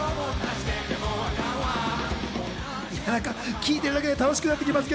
聴いてるだけで楽しくなってきます。